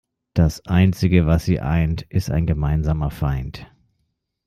Das einzige, was sie eint, ist ein gemeinsamer Feind.